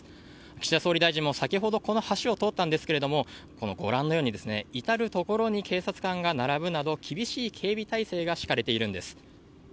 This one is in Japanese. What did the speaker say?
岸田総理大臣も先ほど、この橋を通ったんですがご覧のように至るところに警察官が並ぶなど厳しい警備態勢が敷かれているんです。